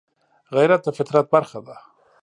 غیرت د فطرت برخه ده